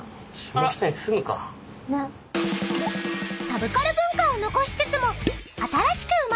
［サブカル文化を残しつつも］